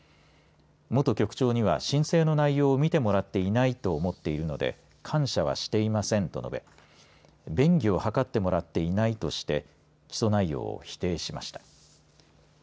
元局長には申請の内容を見てもらっていないと思っているので感謝はしていませんと述べ便宜を図ってもらっていないとして起訴内容を否定しました。